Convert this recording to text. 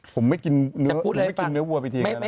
ผมไม่กินเนื้อววว์ไปทีก่อนนะ